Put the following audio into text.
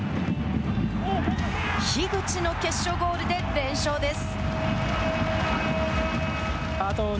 樋口の決勝ゴールで連勝です。